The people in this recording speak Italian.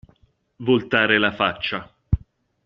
Voltare la faccia.